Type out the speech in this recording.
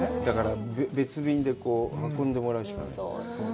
だから、別便で運んでもらうしかない。